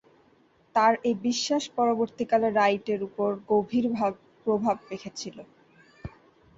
তার এ বিশ্বাস পরবর্তীকালে রাইটের উপর গভীর প্রভাব রেখেছিল।